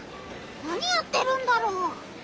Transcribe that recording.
何やってるんだろう？